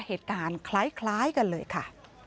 เหตุการณ์คล้ายกันเลยค่ะ